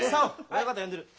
親方が呼んでる。